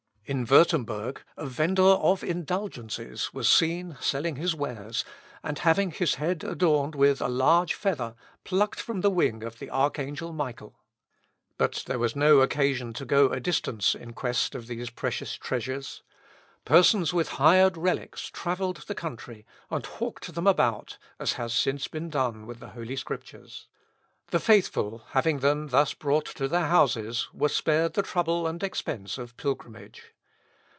In Wurtemberg, a vender of indulgences was seen selling his wares, and having his head adorned with a large feather, plucked from the wing of the archangel Michael. But there was no occasion to go to a distance in quest of these precious treasures. Persons with hired relics travelled the country, and hawked them about, as has since been done with the Holy Scriptures. The faithful, having them thus brought to their houses, were spared the trouble and expence of pilgrimage.